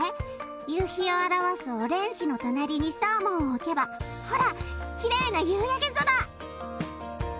夕日を表すオレンジの隣にサーモンを置けばほらきれいな夕焼け空！